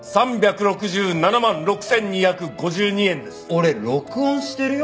俺録音してるよ。